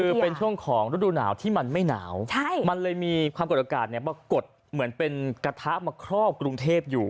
คือเป็นช่วงของฤดูหนาวที่มันไม่หนาวมันเลยมีความกดอากาศมากดเหมือนเป็นกระทะมาครอบกรุงเทพอยู่